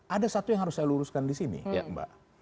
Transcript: ada satu yang harus saya luruskan di sini ya mbak